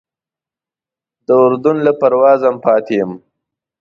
د اردن له پروازه هم پاتې یم.